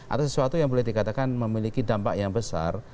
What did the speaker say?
atau sesuatu yang boleh dikatakan memiliki dampak yang besar